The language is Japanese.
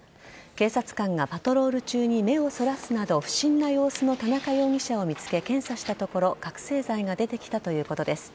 警察官がパトロール中に目をそらすなど不審な様子の田中容疑者を見つけ検査したところ覚醒剤が出てきたということです。